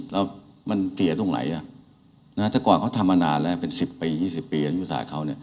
แล้วมันเสียตรงไหนแต่ก่อนเขาทำมานานแล้วเป็น๑๐ปี๒๐ปีอายุศาสตร์เขา